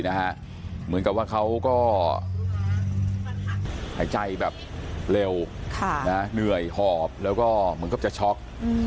เหมือนกับว่าเขาก็หายใจแบบเร็วเหนื่อยหอบแล้วก็เหมือนกับจะช็อก